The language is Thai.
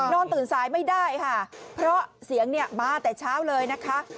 นอนตื่นสายไม่ได้ค่ะเพราะเสียงเนี่ยมาแต่เช้าเลยนะคะ